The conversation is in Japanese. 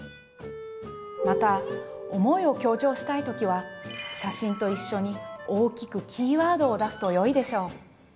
また「思い」を強調したいときは写真と一緒に大きくキーワードを出すとよいでしょう。